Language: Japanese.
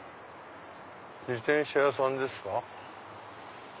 自転車屋さんですか？